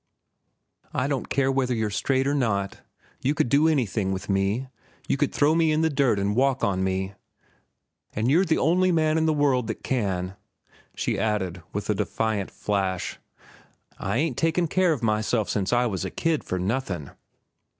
"I don't care whether you're straight with me or not. You could do anything with me. You could throw me in the dirt an' walk on me. An' you're the only man in the world that can," she added with a defiant flash. "I ain't taken care of myself ever since I was a kid for nothin'."